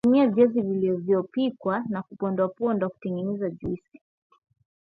tumia Viazi vilivyopikwa na kupondwapondwa kutengeneza juisi